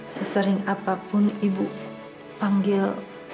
sesering apapun ibu panggil